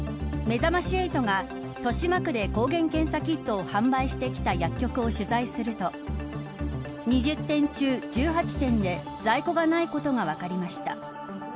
めざまし８が、豊島区で抗原検査キットを販売してきた薬局を取材すると２０店中１８店で在庫がないことが分かりました。